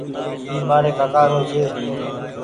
اي مآري ڪآڪآ رو ڇي۔